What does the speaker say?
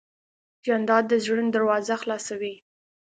جانداد د زړونو دروازه خلاصوي.